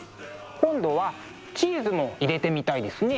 今度はチーズも入れてみたいですね。